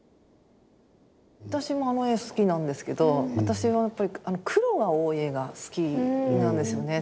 私もあの絵好きなんですけど私はやっぱり黒が多い絵が好きなんですよね。